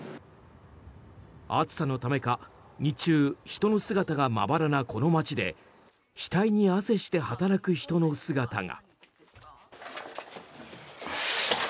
暑さのためか日中、人の姿がまばらなこの街で額に汗して働く人の姿が。